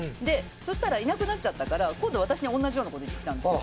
そうしたらいなくなったから今度は私に同じようなことを言ってきたんですよ。